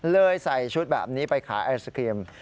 ใส่ชุดแบบนี้ไปขายไอศครีม